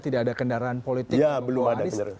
tidak ada kendaraan politik untuk pak anis